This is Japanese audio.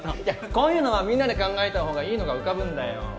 こういうのはみんなで考えた方がいいのが浮かぶんだよ